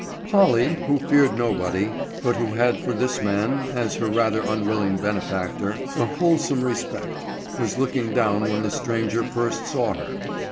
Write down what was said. Polly, who feared nobody, but who had for this man, as her rather unwilling benefactor, a wholesome respect, was looking down when the stranger first saw her.